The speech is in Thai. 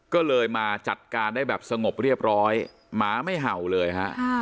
ก็เลยมาจัดการได้แบบสงบเรียบร้อยหมาไม่เห่าเลยฮะ